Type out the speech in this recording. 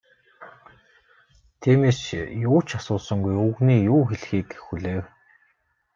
Тиймээс юу ч асуусангүй, өвгөний юу хэлэхийг хүлээв.